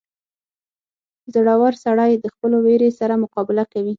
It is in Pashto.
• زړور سړی د خپلو وېرې سره مقابله کوي.